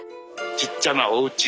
ちっちゃなおうち。